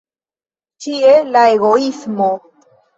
Ĉie, la egoismo!